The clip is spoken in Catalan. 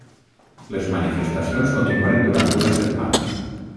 Les manifestacions continuaren durant una setmana.